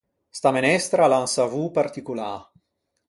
Sta menestra a l’à un savô particolâ.